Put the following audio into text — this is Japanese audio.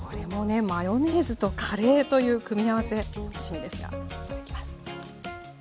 マヨネーズとカレーという組み合わせ楽しみですがいただきます。